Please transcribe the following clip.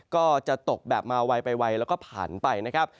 ก็จะตกแบบมาไวไปไวแล้วก็ผ่านไปนะครับ